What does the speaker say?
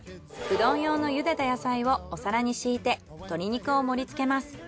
うどん用のゆでた野菜をお皿に敷いて鶏肉を盛り付けます。